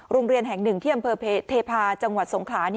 โรงเรียนแห่งหนึ่งที่อำเภอเทพาะจังหวัดสงขลา